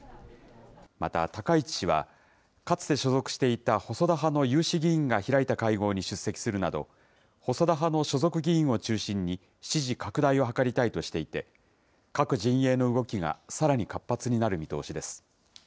また、高市氏は、かつて所属していた細田派の有志議員が開いた会合に出席するなど、細田派の所属議員を中心に、支持拡大を図りたいとしていて、各陣営の動きがさらに活発になる見通しです。